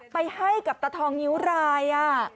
ไปให้กับตาทองนิ้วราย